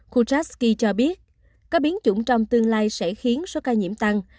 khujasky cho biết các biến chủng trong tương lai sẽ khiến số ca nhiễm tăng